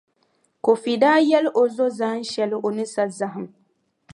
Kofi daa yɛli o zo zahinʼ shɛli o ni sa zahim.